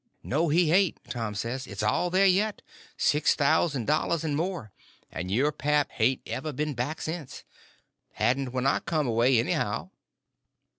"No, he hain't," Tom says; "it's all there yet—six thousand dollars and more; and your pap hain't ever been back since. Hadn't when I come away, anyhow."